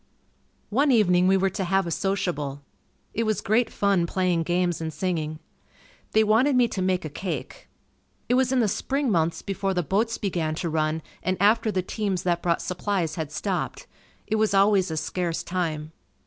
One evening we were to have a sociable. It was great fun playing games and singing. They wanted me to make a cake. It was in the spring months before the boats began to run and after the teams that brought supplies had stopped. It was always a scarce time.